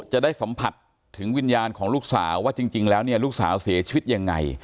จะได้สัมผัสถึงวิญญาณของลูกสาวว่าจริงแล้วเนี่ยลูกสาวเสียชีวิตยังไง